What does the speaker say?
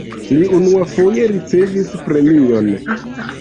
Li unuafoje ricevis premion.